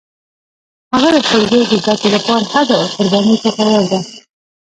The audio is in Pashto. هغه د خپل زوی د زده کړې لپاره هر ډول قربانی ته تیار ده